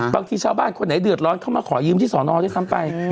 บางทีชาวบ้านคนไหนเดือดร้อนเข้ามาขอยืมที่สอนอด้วยซ้ำไป